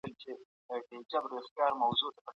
بايد يو نظري ميتود ته پراختيا ورکړو.